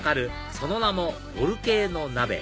その名もボルケーノ鍋